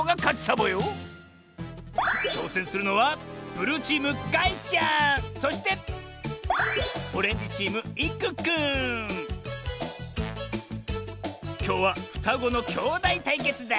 ちょうせんするのはそしてきょうはふたごのきょうだいたいけつだ！